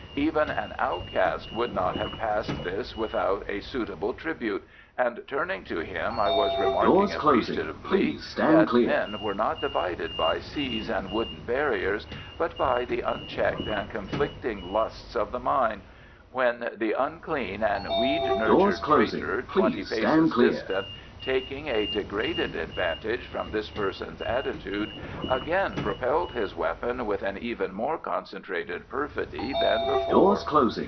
Even an outcast would not have passed this without a suitable tribute, and turning to him, I was remarking appreciatively that men were not divided by seas and wooden barriers, but by the unchecked and conflicting lusts of the mind, when the unclean and weed nurtured traitor twenty paces distant, taking a degraded advantage from this person's attitude, again propelled his weapon with an even more concentrated perfidy than before.